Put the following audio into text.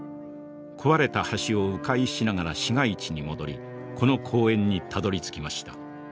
壊れた橋を迂回しながら市街地に戻りこの公園にたどりつきました。